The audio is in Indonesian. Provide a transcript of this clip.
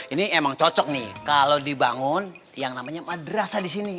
ini emang cocok nih kalau dibangun yang namanya madrasah di sini